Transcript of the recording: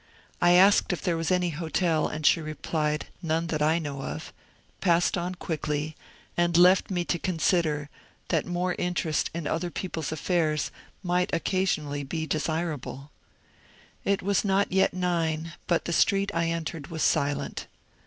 I asked if there was any hotel and she replied, ^^ None that I know of," passed on quickly, and left me to consider that more interest MODERN TIMES 265 in other people's affairs might occasionally be desirable. It was not yet nine, but the street I entered was silent.